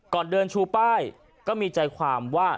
ก่อนเดินชูป้ายก็มีใจความว่า